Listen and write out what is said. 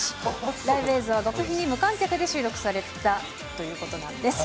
ライブ映像は極秘に無観客で収録されたということなんです。